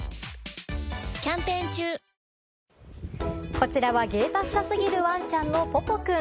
こちらは芸達者過ぎるワンちゃんのぽぽくん。